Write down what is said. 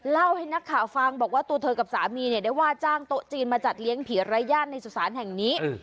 เล่าให้นักข่าวฟังบอกว่าตัวเธอกับสามีเนี่ยได้ว่าจ้างโต๊ะจีนมาจัดเลี้ยงผีรายญาติในสุสานแห่งนี้